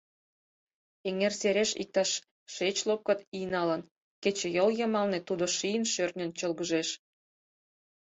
Эҥер сереш иктаж шеч лопкыт ий налын, кечыйол йымалне тудо шийын-шӧртньын чолгыжеш.